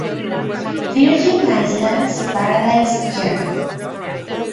Virgin Islands Paradise Jam.